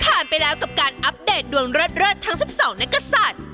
ไปแล้วกับการอัปเดตดวงเลิศทั้ง๑๒นักศัตริย์